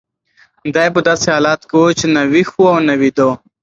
دی په داسې حالت کې و چې نه ویښ و او نه ویده.